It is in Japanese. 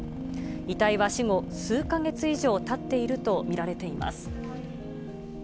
遺体は死後数か月以上たっていると見られています。